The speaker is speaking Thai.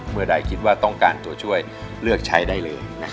เมื่อใดคิดว่าต้องการตัวช่วยเลือกใช้ได้เลย